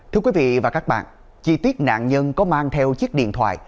thưa quý vị và các bạn chi tiết nạn nhân có mang theo chiếc điện thoại